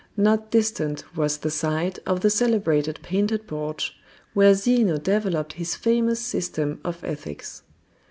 Not distant was the site of the celebrated "Painted Porch," where Zeno developed his famous system of ethics.